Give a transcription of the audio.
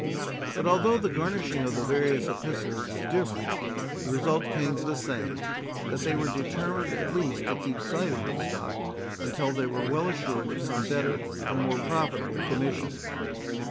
But although the garnishing of the various epistles was different, the result came to the same, that they were determined at least to keep sight of Woodstock, until they were well assured of some better and more profitable commission.